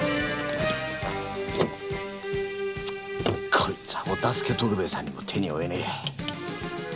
こいつは「お助け徳兵衛」さんにも手におえねぇや。